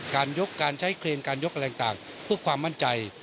การยกการใช้เครนการยกอะไรต่างเพื่อความมั่นใจ